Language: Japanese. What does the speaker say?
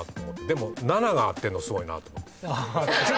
でも「７」が合ってんのすごいなと思って。